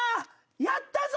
「やったぞ！」